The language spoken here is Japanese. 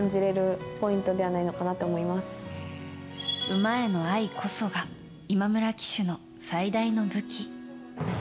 馬への愛こそが今村騎手の最大の武器。